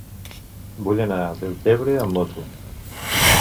Vull anar a Deltebre amb moto.